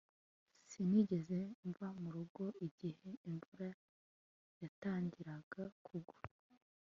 sinigeze mva mu rugo igihe imvura yatangiraga kugwa